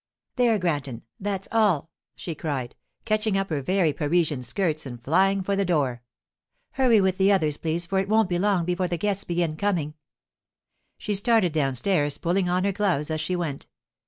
'There, Granton; that's all,' she cried, catching up her very Parisian skirts and flying for the door. 'Hurry with the others, please, for it won't be long before the guests begin coming.' She started downstairs, pulling on her gloves as she went.